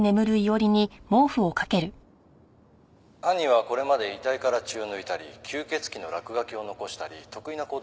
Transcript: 「犯人はこれまで遺体から血を抜いたり吸血鬼の落書きを残したり特異な行動に出ています」